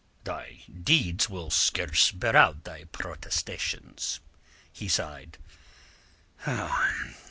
"Thy deeds will scarce bear out thy protestations." He sighed.